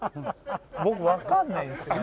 僕わかんないんですけど。